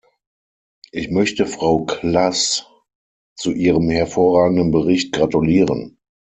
Ich möchte Frau Klass zu ihrem hervorragenden Bericht gratulieren.